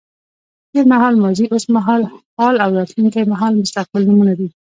تېر مهال ماضي، اوس مهال حال او راتلونکی مهال مستقبل نومونه دي.